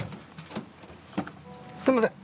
すんません。